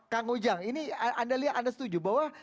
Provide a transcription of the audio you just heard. kang ujang ini anda lihat anda setuju bahwa